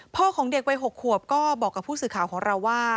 ของเด็กวัย๖ขวบก็บอกกับผู้สื่อข่าวของเราว่า